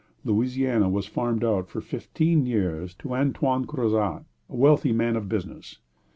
Louisiana was farmed out for fifteen years to Antoine Crozat, a wealthy man of business.